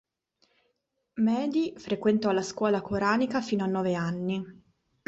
Mehdi frequentò la scuola coranica fino a nove anni.